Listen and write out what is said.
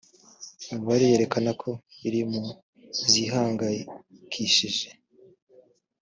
Imibare yerekana ko iri mu zihangayikishije